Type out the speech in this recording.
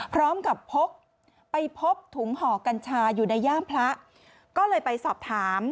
พร้อมกับพกไปพบถุงห่อกัญชาอยู่ในย่ามพระก็เลยไปสอบถาม